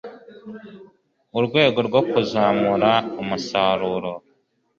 urwego rwo kuzamura umusaruro